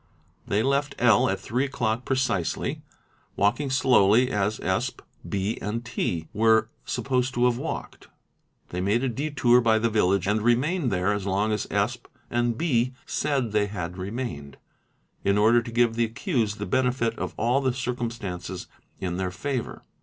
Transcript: They left L. at three o'clock precisely, walking slowly, as Sp. B. & T. were supposed to have walked; they made a detour by the village and remained there as long as Sp. and B. said they had remained, in order to give the accused the benefit of all the circumstances in their favour.